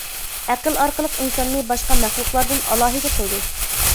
ئەقىل ئارقىلىق ئىنساننى باشقا مەخلۇقلاردىن ئالاھىدە قىلدى.